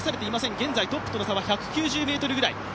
現在トップとの差は１９０ｍくらい。